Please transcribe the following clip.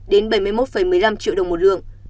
đến bảy mươi một một mươi năm triệu đồng một lượng